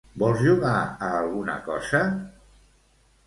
Vols jugar a alguna cosa?